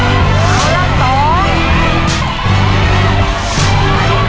หูแกะได้ได้เลยครับ